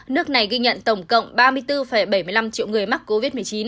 nước này ghi nhận tổng cộng ba mươi bốn bảy mươi năm triệu người mắc covid một mươi chín